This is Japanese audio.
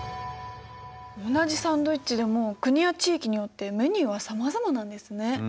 同じサンドイッチでも国や地域によってメニューはさまざまなんですね。